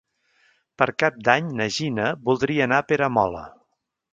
Per Cap d'Any na Gina voldria anar a Peramola.